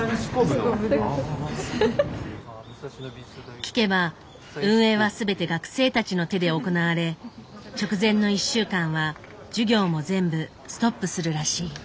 聞けば運営は全て学生たちの手で行われ直前の１週間は授業も全部ストップするらしい。